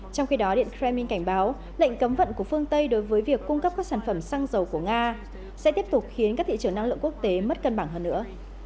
trong khi đó điện kremlin cảnh báo lệnh cấm vận của phương tây đối với việc cung cấp các sản phẩm xăng dầu của nga sẽ tiếp tục khiến các thị trường năng lượng quốc tế mất cân bằng hơn nữa